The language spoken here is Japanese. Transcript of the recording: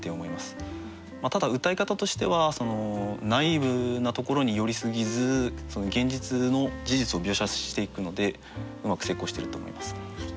ただうたい方としてはナイーブなところに寄りすぎずその現実の事実を描写していくのでうまく成功してると思います。